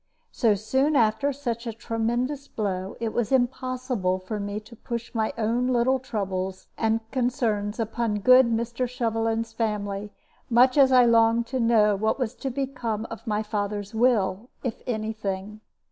So soon after such a tremendous blow, it was impossible for me to push my own little troubles and concerns upon good Mr. Shovelin's family, much as I longed to know what was to become of my father's will, if any thing.